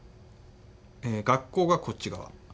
学校がこっち側